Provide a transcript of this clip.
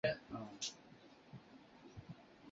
喇叭状的铳口是雷筒与大口径卡宾枪的不同之处。